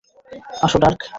আসো, ডার্ক।